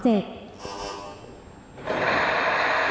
อุ่น